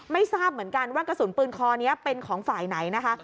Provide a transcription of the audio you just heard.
ไม่ทราบเหมือนกันว่ากระสุนปืนคอนี้เป็นของฝ่ายไหนนะคะ